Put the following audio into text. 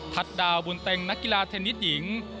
ทัดดาวบุญเต็งนางกรีลาเทนนิสหญิง